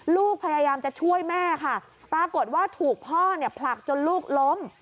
ลูกพยายามจะช่วยแม่ค่ะปรากฏว่าถูกพ่อเนี่ยผลักจนลูกล้ม